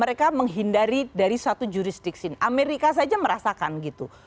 mereka menghindari dari satu jurisdiksi amerika saja merasakan gitu